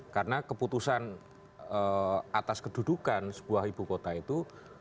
karena keputusan atas kedudukan sebuah ibu kota itu